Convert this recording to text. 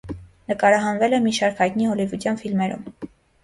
Նկարահանվել է մի շարք հայտնի հոլիվուդյան ֆիլմերում։